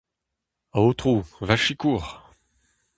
Aotrou, va sikour !